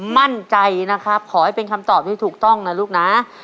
มั่นใจนะครับขอให้เป็นคำตอบที่ถูกต้องนะลูกนะ